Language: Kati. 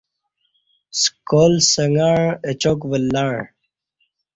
سکال سنگع اچاک ولّݩع